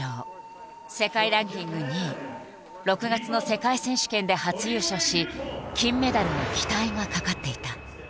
世界ランキング２位６月の世界選手権で初優勝し金メダルの期待がかかっていた。